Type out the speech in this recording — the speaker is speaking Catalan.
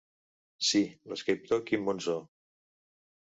Sí, l'escriptor Quim Monzó.